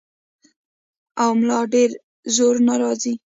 او ملا ډېر زور نۀ راځي -